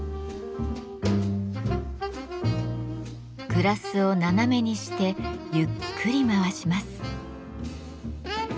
グラスを斜めにしてゆっくり回します。